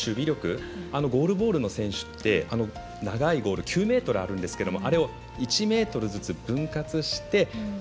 ゴールボールの選手って９ｍあるんですけどそれを１ｍずつ分割して。